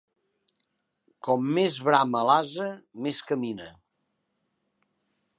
Com més brama l'ase, més camina.